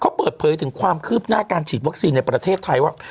เขาเปิดเผยถึงความคืบหน้าการฉีดวัคซีนในประเทศไทยว่า